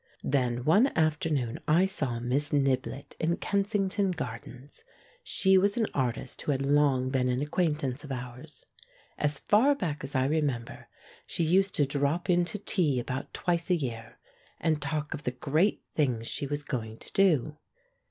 Then one afternoon I saw Miss Niblett in Kensington Gardens. She was an artist who had long been an acquaintance of ours. As far back as I remember she used to drop in to tea about twice a year, and talk of the great things she was going to do.